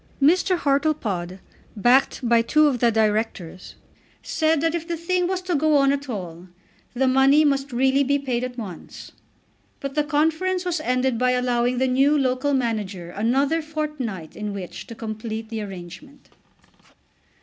Mr. Hartlepod, backed by two of the Directors, said that if the thing was to go on at all, the money must really be paid at once. But the conference was ended by allowing the new local manager another fortnight in which to complete the arrangement.